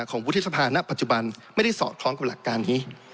วุฒิสภาณปัจจุบันไม่ได้สอดคล้องกับหลักการนี้